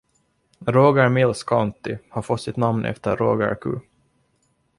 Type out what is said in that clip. Roger Mills County har fått sitt namn efter Roger Q.